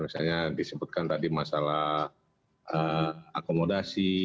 misalnya disebutkan tadi masalah akomodasi